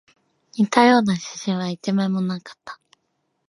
似たような写真は一枚もなかった